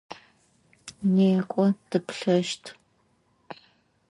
Некӏо тыплъэщт!